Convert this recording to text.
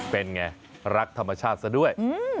เป็นไงรักธรรมชาติซะด้วย